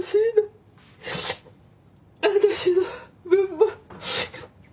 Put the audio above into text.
私の分も。